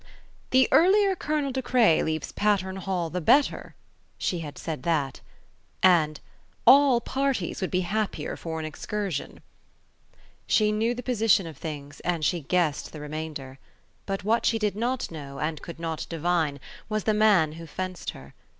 "The earlier Colonel De Craye leaves Patterne Hall the better:" she had said that: and, "all parties would be happier for an excursion." She knew the position of things and she guessed the remainder. But what she did not know, and could not divine, was the man who fenced her.